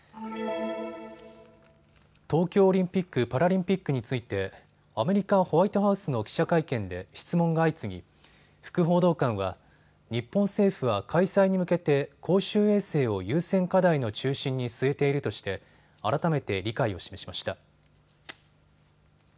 東京オリンピック・パラリンピックについてアメリカホワイトハウスの記者会見で質問が相次ぎ、副報道官は日本政府は開催に向けて公衆衛生を優先課題の中心に据えているとして改めて理解を示しました。